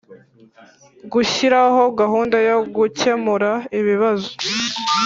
Gushyiraho gahunda yo gukemura ibibazo